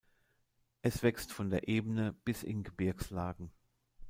Es wächst von der Ebene bis in Gebirgslagen.